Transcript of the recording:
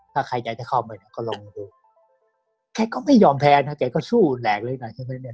ถ้าใครอยากจะเข้าไปก็ลงไปดูแกก็ไม่ยอมแพ้นะแกก็สู้แหลกเลยนะ